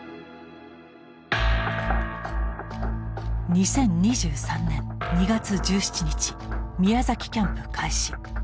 ２０２３年２月１７日宮崎キャンプ開始。